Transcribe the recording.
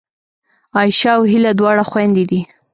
عایشه او هیله دواړه خوېندې دي